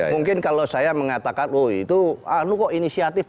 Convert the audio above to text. mungkin kalau saya mengatakan oh itu anu kok inisiatif